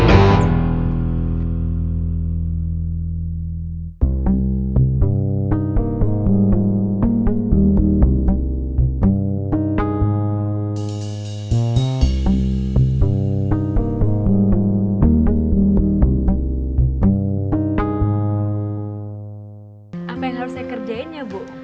apa yang harus saya kerjain ya bu